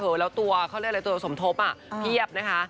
เผ่อแล้วตัวเขาเล่นอะไรตัวสมทบอ่ะเพียบนะคะ